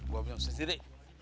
gua punya usaha sendiri